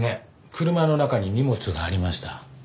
車の中に荷物がありました。